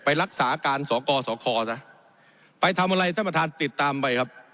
ไปรักษาการสกสคซะไปทำอะไรท่านประธานติดตามไปครับ